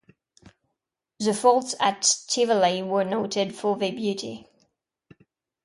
The falls at Tivoli were noted for their beauty.